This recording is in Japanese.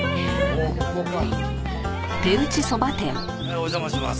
お邪魔します。